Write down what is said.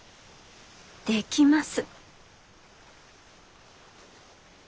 できます。